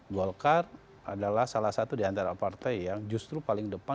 golkar adalah salah satu di antara partai yang justru paling depan